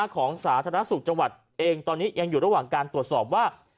สาธารณสุขจังหวัดเองตอนนี้ยังอยู่ระหว่างการตรวจสอบว่า